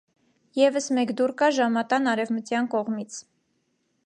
Եվս մեկ դուռ կա ժամատան արևմտյան կողմից։